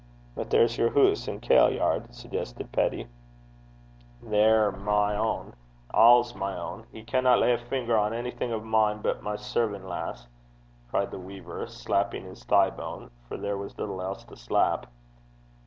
'But there's yer hoose an' kailyard,' suggested Peddie. 'They're ma ain! a' ma ain! He canna lay 's finger on onything o' mine but my servan' lass,' cried the weaver, slapping his thigh bone for there was little else to slap.